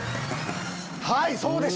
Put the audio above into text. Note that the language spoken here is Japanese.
はいそうでしょ！